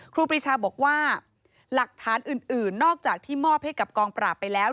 ครีชาบอกว่าหลักฐานอื่นนอกจากที่มอบให้กับกองปราบไปแล้ว